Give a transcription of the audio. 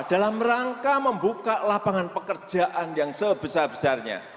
dalam rangka membuka lapangan pekerjaan yang sebesar besarnya